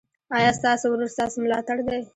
ایا ستاسو ورور ستاسو ملاتړ دی؟